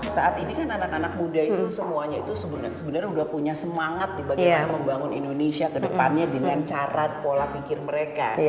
saat ini kan anak anak muda itu semuanya itu sebenarnya sudah punya semangat bagaimana membangun indonesia kedepannya dengan cara pola pikir mereka